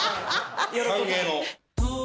歓迎の。